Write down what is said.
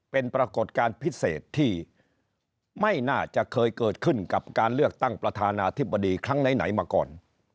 เป็นปรากฏการณ์พิเศษที่ไม่น่าจะเคยเกิดขึ้นกับการเลือกตั้งประธานาธิบดีครั้งไหนมาก่อน